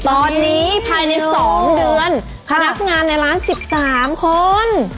ตอนนี้ภายใน๒เดือนพนักงานในร้าน๑๓คน